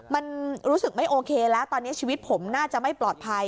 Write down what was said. มันรู้สึกไม่โอเคแล้วตอนนี้ชีวิตผมน่าจะไม่ปลอดภัย